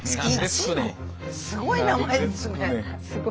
すごい名前ですね。